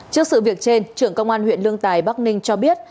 trước sự việc trên trưởng công an huyện lương tài bắc ninh cho biết